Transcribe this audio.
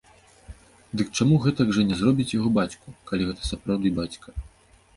Дык чаму гэтак жа не зробіць яго бацьку, калі гэта сапраўды бацька?